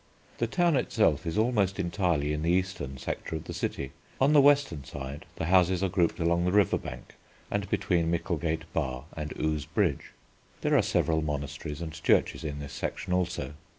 The town itself is almost entirely in the eastern section of the city. On the western side the houses are grouped along the river bank and between Micklegate Bar and Ouse Bridge; there are several monasteries and churches in this section also.